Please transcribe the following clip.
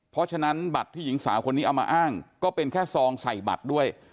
เพราะฉะนั้นบัตรที่หญิงสาวคนนี้เอามาอ้างก็เป็นแค่ซองใส่บัตรด้วย